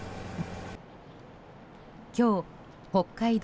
今日、北海道